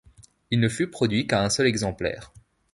Il ne fut produit qu'à un seul exemplaire.